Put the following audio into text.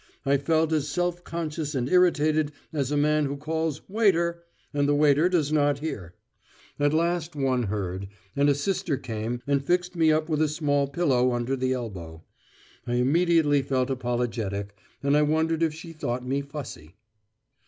I felt as self conscious and irritated as a man who calls "waiter" and the waiter does not hear. At last one heard, and a sister came and fixed me up with a small pillow under the elbow. I immediately felt apologetic, and I wondered if she thought me fussy.